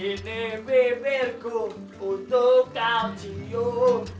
ini bibirku untuk kau cium